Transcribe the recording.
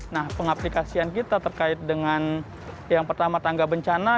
nah pengaplikasian kita terkait dengan yang pertama tangga bencana